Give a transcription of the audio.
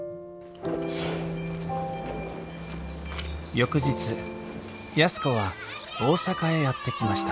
翌日安子は大阪へやって来ました